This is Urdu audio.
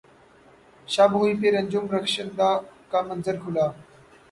شب ہوئی پھر انجم رخشندہ کا منظر کھلا